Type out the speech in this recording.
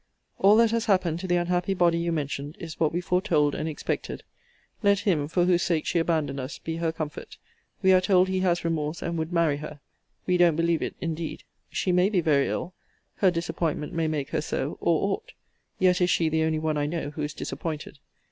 All that has happened to the unhappy body you mentioned, is what we foretold and expected. Let him, for whose sake she abandoned us, be her comfort. We are told he has remorse, and would marry her. We don't believe it, indeed. She may be very ill. Her disappointment may make her so, or ought. Yet is she the only one I know who is disappointed.